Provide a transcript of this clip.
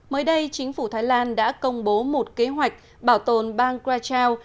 mới đây chính phủ thái lan đã công bố một kế hoạch bảo tồn bang kwa chau